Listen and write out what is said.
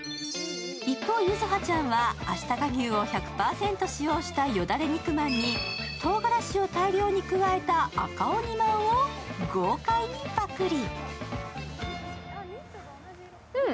一方、柚葉ちゃんはあしたか牛を１００％使用したよだれ肉まんにとうがらしを大量に加えた赤鬼まんを豪快にパクリ。